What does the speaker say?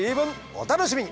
お楽しみに！